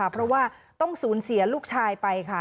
เพราะว่าต้องศูนย์เสียลูกชายไป